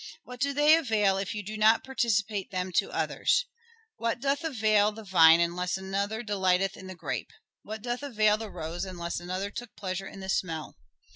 What do they avail if you do not participate them to others ?... What doth avail the vine unless another delighteth in the grape ? What doth avail the rose unless another took pleasure in the smell